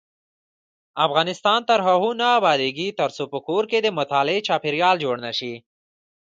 افغانستان تر هغو نه ابادیږي، ترڅو په کور کې د مطالعې چاپیریال جوړ نشي.